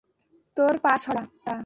তোর পা সরা।